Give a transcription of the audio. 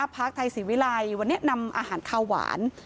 พักไทยศรีวิลัยวันนี้นำอาหารข้าวหวาน